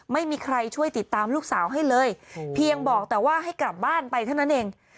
ไม่มีใครช่วยติดตามลูกสาวให้เลยเพียงบอกแต่ว่าให้กลับบ้านไปเท่านั้นเอง